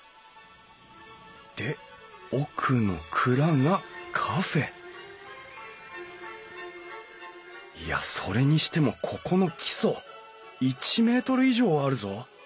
で奥の蔵がカフェいやそれにしてもここの基礎１ｍ以上はあるぞ！